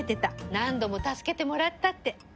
何度も助けてもらったって。